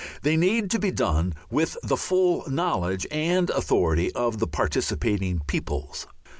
They need to be done with the full knowledge and authority of the participating peoples.